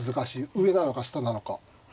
上なのか下なのか。